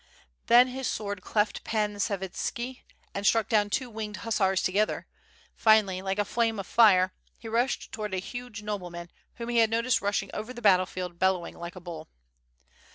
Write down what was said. Then his sword cleft Pan Savitski and struck down two winged hussars together*, finally, like a flame of fire, he rushed towards a huge noble man whom he had noticed rushing over the battle field bel lowing like a bull.